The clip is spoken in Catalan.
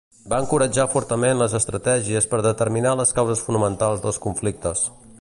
Va encoratjar fortament les estratègies per determinar les causes fonamentals dels conflictes.